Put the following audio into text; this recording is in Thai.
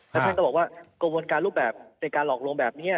แล้วท่านก็บอกว่ากระบวนการรูปแบบในการหลอกลวงแบบนี้